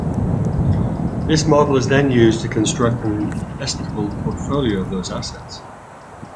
This model is then used to construct an investable portfolio of those assets.